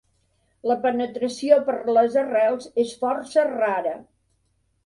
La penetració per les arrels és força rara.